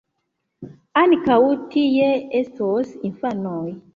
Ankaŭ tie estos infanoj.